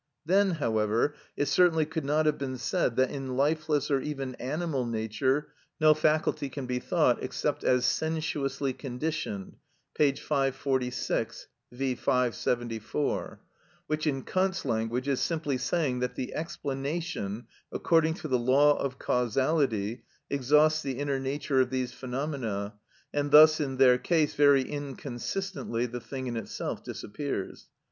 Then, however, it certainly could not have been said that in lifeless or even animal nature no faculty can be thought except as sensuously conditioned (p. 546; V. 574), which in Kant's language is simply saying that the explanation, according to the law of causality, exhausts the inner nature of these phenomena, and thus in their case, very inconsistently, the thing in itself disappears.